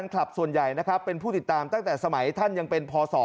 ครับโอเค